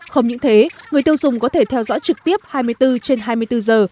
không những thế người tiêu dùng có thể theo dõi trực tiếp hai mươi bốn trên hai mươi bốn giờ